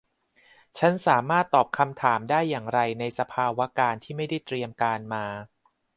ฉันสามารถตอบคำถามได้อย่างไรในสภาวการณ์ที่ไม่ได้เตรียมการมา